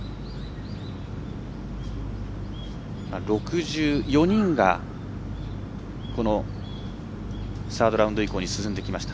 ６４人がサードラウンド以降に進んできました。